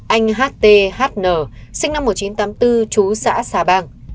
anh hthn sinh năm một nghìn chín trăm tám mươi bốn trú xã xà bạc